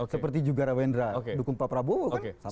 seperti juga rawendra dukung pak prabowo kan